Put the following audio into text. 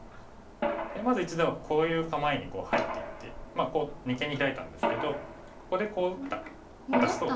テーマ図１ではこういう構えに入っていって二間にヒラいたんですけどここでこう打った形と。